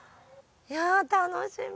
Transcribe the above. いや楽しみ。